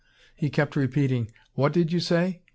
He kept repeating: "What did you say?